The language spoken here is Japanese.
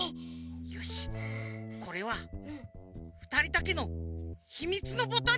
よしこれはふたりだけのひみつのボタンにしよう。